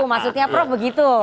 maksudnya prof begitu